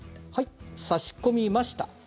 差し込みました。